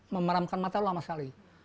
memeramkan mata lama sekali